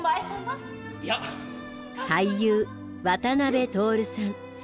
俳優渡辺徹さん。